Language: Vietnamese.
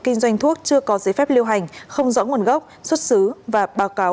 kinh doanh thuốc chưa có giấy phép lưu hành không rõ nguồn gốc xuất xứ và báo cáo